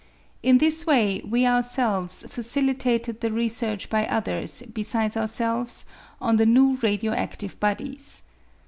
In this way we ourselves facilitated the research by others besides ourselves on the new radio adtive bodies.